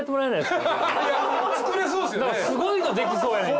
すごいのできそうやねん。